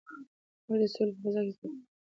موږ د سولې په فضا کې زده کړه غواړو.